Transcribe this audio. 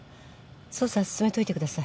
捜査は進めておいてください。